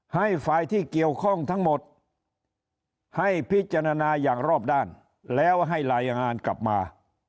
ให้ฝ่ายที่เกี่ยวข้องทั้งหมดให้พิจารณาอย่างรอบด้านแล้วให้รายงานกลับมา